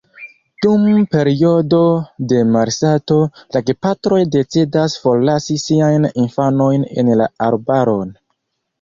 Dum periodo de malsato, la gepatroj decidas forlasi siajn infanojn en la arbaron.